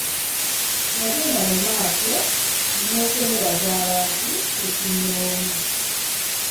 Yagenda mu maaso n'okwebaza abantu ssekinomu.